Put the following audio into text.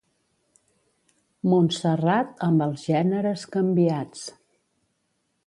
Montserrat amb els gèneres canviats.